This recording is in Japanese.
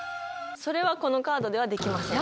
それはこのカードではできません。